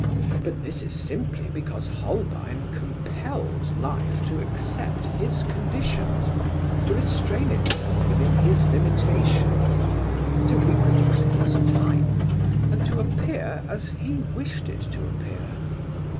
But this is simply because Holbein compelled life to accept his conditions, to restrain itself within his limitations, to reproduce his type, and to appear as he wished it to appear.